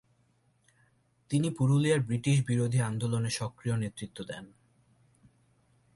তিনি পুরুলিয়ার ব্রিটিশ বিরোধী আন্দোলনে সক্রিয় নেতৃত্ব দেন।